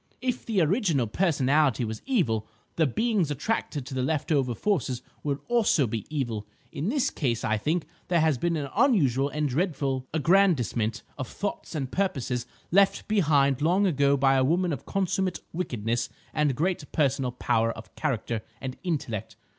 If the original personality was evil, the beings attracted to the left over forces will also be evil. In this case, I think there has been an unusual and dreadful aggrandisement of the thoughts and purposes left behind long ago by a woman of consummate wickedness and great personal power of character and intellect.